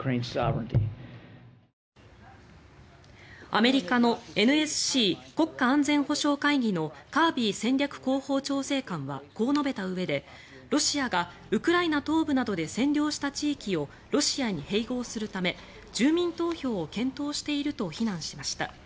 アメリカのＮＳＣ・国家安全保障会議のカービー戦略広報調整官はこう述べたうえでロシアがウクライナ東部などで占領した地域をロシアに併合するため住民投票を検討していると非難しました。